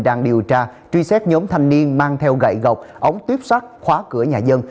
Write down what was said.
đang điều tra truy xét nhóm thanh niên mang theo gậy gọc ống tuyếp sắt khóa cửa nhà dân